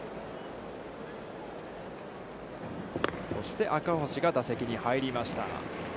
そして赤星が打席に入りました。